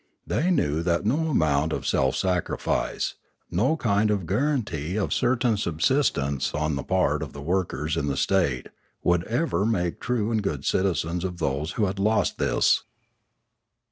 They knew that no amount of self sacrifice, no kind of guaranty of certain subsistence on the part of the workers in the state, would ever make true and good citizens of those who had lost this.